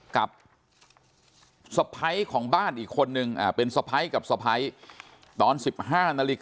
กับสะไพรของบ้านอีกคนนึงเป็นสะไพรกับสะไพรตอน๑๕น